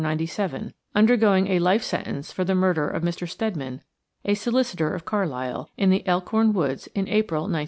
97, undergoing a life sentence for the murder of Mr. Steadman, a solicitor of Carlisle, in the Elkhorn woods in April, 1904.